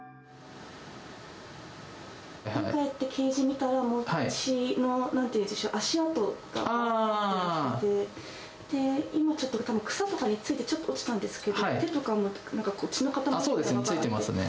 家に帰ってケージ見たら、もう血の、なんていうんでしょう、足跡があって、今ちょっと、草とかについて、ちょっと落ちたんですけど、手とかも、なんか血そうですね、ついてますね。